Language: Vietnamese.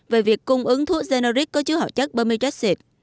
về việc cung ứng thuốc generic có chứa hỏa chất bermudaxit